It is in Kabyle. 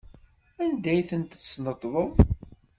Anda ay ten-tesneṭḍeḍ?